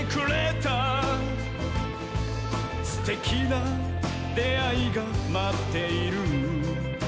「すてきなであいがまっている」